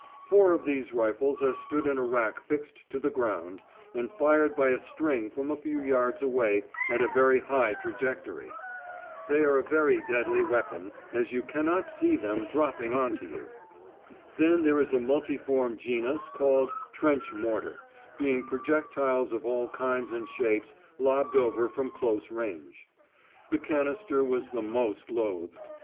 Four of these rifles are stood in a rack fixed to the ground, and fired by a string from a few yards away, at a very high trajectory. They are a very deadly weapon, as you cannot see them dropping on to you. Then there is a multiform genus called "trench mortar," being projectiles of all kinds and shapes lobbed over from close range. The canister was the most loathed.